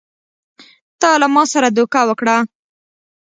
تا له ما سره دوکه وکړه!